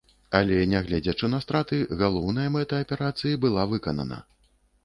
Але не гледзячы на страты, галоўная мэта аперацыі была выканана.